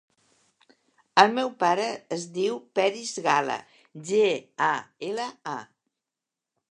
El meu pare es diu Peris Gala: ge, a, ela, a.